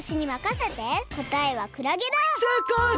せいかい！